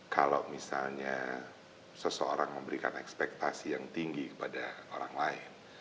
kalau misalnya seseorang memberikan ekspektasi yang tinggi kepada orang lain